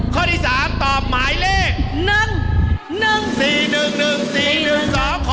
ข้อที่๓ตอบหมายเลข๑๑๔๑๑๔๑๒ขอ